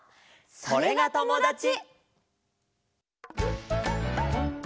「それがともだち」！